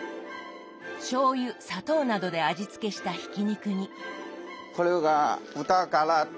しょうゆ砂糖などで味つけしたひき肉に。